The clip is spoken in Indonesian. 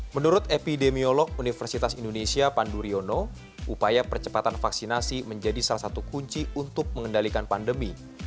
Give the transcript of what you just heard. menurut epidemiolog universitas indonesia pandu riono upaya percepatan vaksinasi menjadi salah satu kunci untuk mengendalikan pandemi